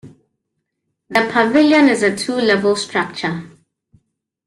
The pavilion is a two-level structure.